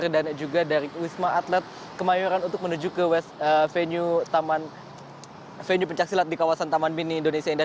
dan juga dari wisma atlet ke mayoran untuk menuju ke venue pencaksilat di kawasan taman mini indonesia indah